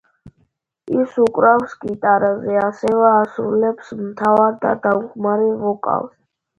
ის უკრავს გიტარაზე, ასევე ასრულებს მთავარ და დამხმარე ვოკალს.